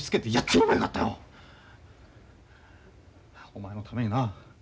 お前のためにな